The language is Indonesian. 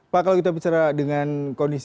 pak kalau kita bicara dengan kondisi